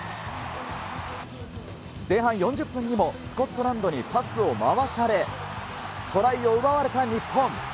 前半４０分にも、スコットランドにパスを回され、トライを奪われた日本。